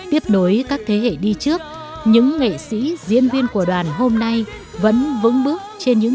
tiếp nối các thế hệ đi trước những nghệ sĩ diễn viên của đoàn hôm nay vẫn vững bước trên những